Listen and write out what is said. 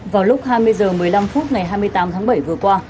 vào lúc hai mươi h một mươi năm phút ngày hai mươi tám tháng bảy vừa qua